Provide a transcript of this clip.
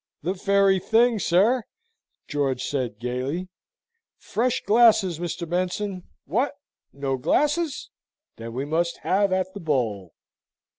"The very thing, sir," George said gaily. "Fresh glasses, Mr. Benson! What, no glasses? Then we must have at the bowl."